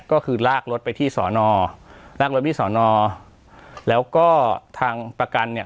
ก็คือลากรถไปที่สอนอลากรถที่สอนอแล้วก็ทางประกันเนี่ย